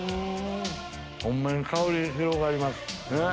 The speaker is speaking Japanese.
ホンマに香り広がります。